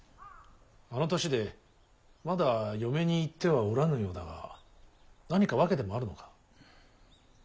あの年でまだ嫁に行ってはおらぬようだが何か訳でもあるのか。